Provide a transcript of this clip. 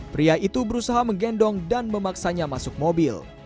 pria itu berusaha menggendong dan memaksanya masuk mobil